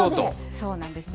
そうなんですよ。